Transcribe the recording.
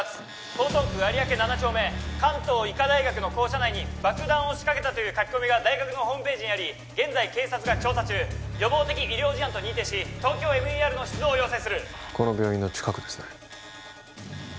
江東区有明７丁目関東医科大学の校舎内に爆弾を仕掛けたという書き込みが大学のホームページにあり現在警察が調査中予防的医療事案と認定しＴＯＫＹＯＭＥＲの出動を要請するこの病院の近くですね